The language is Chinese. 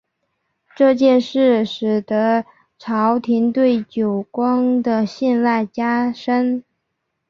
这件事情使得朝廷对久光的信赖加深。